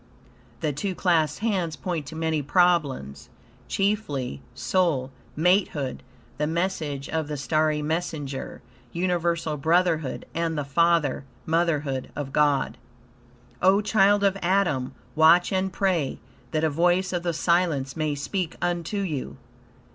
The two clasped hands point to many problems, chiefly soul matehood, the message of the starry messenger, universal brotherhood, and the Father Motherhood of God. O child of Adam! Watch and pray, that a voice of the silence may speak unto you.